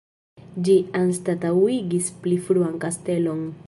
Ĝi anstataŭigis pli fruan kastelon.